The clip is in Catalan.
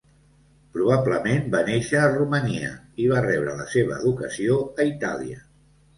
Probablement va néixer a Romania i va rebre la seva educació a Itàlia.